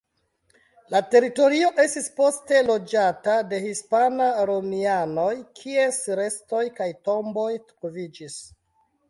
La teritorio estis poste loĝata de hispan-romianoj, kies restoj kaj tomboj troviĝis.